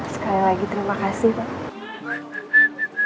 sekali lagi terima kasih pak